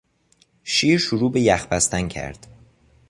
شیر شروع به یخ بستن کرد.